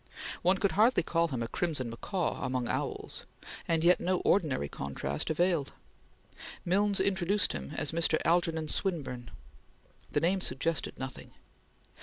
One could hardly call him a crimson macaw among owls, and yet no ordinary contrast availed. Milnes introduced him as Mr. Algernon Swinburne. The name suggested nothing.